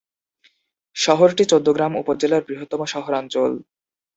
শহরটি চৌদ্দগ্রাম উপজেলার বৃহত্তম শহরাঞ্চল।